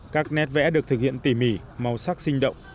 các nét vẽ được thực hiện tỉ mỉ màu sắc sinh động